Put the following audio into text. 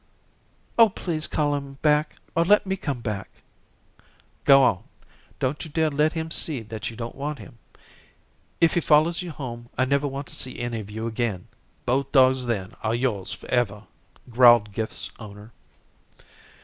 "Oh, please call him back, or let me come back." "Go on. Don't you dare let him see that you don't want him. If he follows you home, I never want to see any of you again. Both dogs then are yours forever," growled Gift's owner.